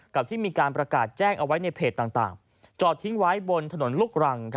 ที่มีการประกาศแจ้งเอาไว้ในเพจต่างจอดทิ้งไว้บนถนนลูกรัง